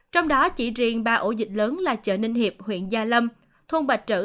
trong đó chỉ riêng ba ổ dịch lớn là chợ ninh hiệp huyện gia lâm thôn bạch trợ